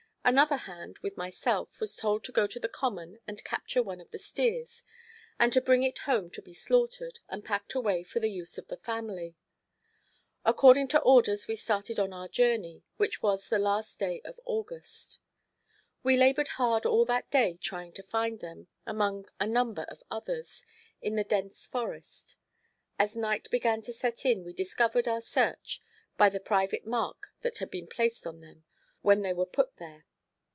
Another hand, with myself, was told to go to the common and capture one of the steers, and to bring it home to be slaughtered and packed away for the use of the family. According to orders we started on our journey, which was the last day of August. We labored hard all that day trying to find them, among a number of others, in the dense forest. As night began to set in we discovered our search, by the private mark that had been placed on them when they were put there.